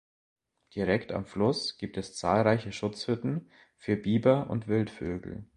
Direkt am Fluss gibt es zahlreiche Schutzhütten für Biber und Wildvögel.